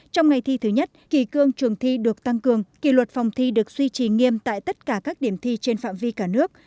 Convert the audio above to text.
trong ngày thi thứ nhất kỳ cương trường thi được tăng cường kỳ luật phòng thi được suy trì nghiêm tại tất cả các điểm thi trên phạm vi cả nước